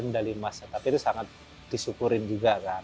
medali emas tapi itu sangat disyukurin juga kan